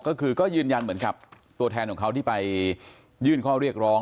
ก็คือก็ยืนยันเหมือนกับตัวแทนของเขาที่ไปยื่นข้อเรียกร้อง